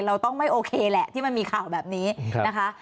เราต้องไม่โอเคแหละที่มันมีข่าวแบบนี้นะคะ